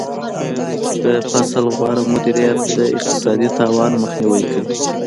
د فصل غوره مدیریت د اقتصادي تاوان مخنیوی کوي.